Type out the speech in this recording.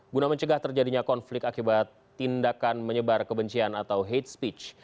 guna mencegah terjadinya konflik akibat tindakan menyebar kebencian atau hate speech